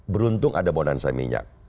beruntung ada bonansa minyak